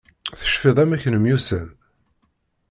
Tecfiḍ amek nemyussan?